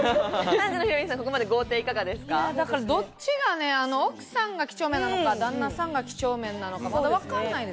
どっちが、奥さんが几帳面なのか、旦那さんが几帳面なのかまだわかんないです。